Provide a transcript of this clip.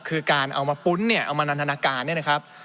คือการเอามาปุ้นเนี่ยเอามานันทนาการเนี่ยนะครับ